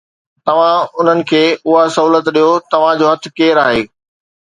توهان انهن کي اها سهولت ڏيو، توهان جو هٿ ڪير آهي؟